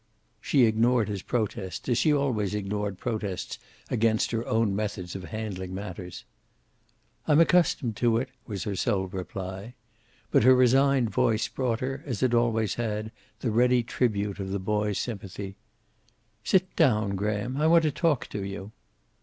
She ignored his protest, as she always ignored protests against her own methods of handling matters. "I'm accustomed to it," was her sole reply. But her resigned voice brought her, as it always had, the ready tribute of the boy's sympathy. "Sit down, Graham, I want to talk to you."